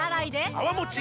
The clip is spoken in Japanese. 泡もち